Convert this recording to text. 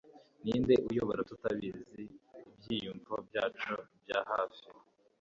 ninde uyobora, tutabizi, ibyiyumvo byacu bya hafi